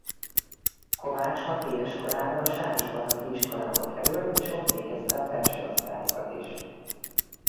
Kováts hatéves korában a sárospataki iskolába került és ott végezte a felső osztályokat is.